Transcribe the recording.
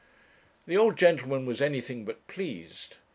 The old gentleman was anything but pleased.